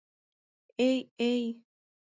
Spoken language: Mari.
— Эй, эй!